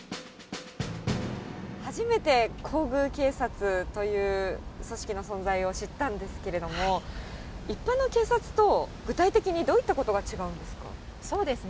初めて皇宮警察という組織の存在を知ったんですけれども、一般の警察と、具体的にどういったことが違うんですか。